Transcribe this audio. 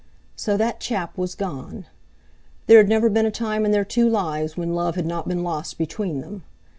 So that chap was gone! There had never been a time in their two lives when love had not been lost between them.